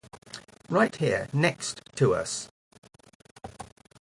Right here next to us.